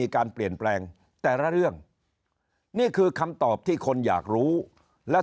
การแนนการ์บอกรับรัฐมนุน